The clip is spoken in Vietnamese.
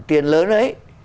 tiền lớn đấy